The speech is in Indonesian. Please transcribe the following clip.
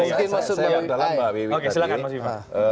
oke silahkan mas iva